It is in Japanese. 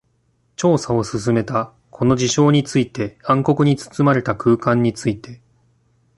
調査を進めた。この事象について、暗黒に包まれた空間について。